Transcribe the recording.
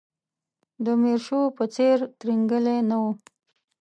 د میرشو په څېر ترینګلی نه و.